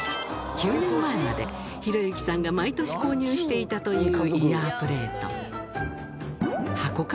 ９年前まで、弘之さんが毎年購入していたというイヤープレート。